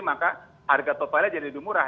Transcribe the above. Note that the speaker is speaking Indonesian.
maka harga paparannya jadi lebih murah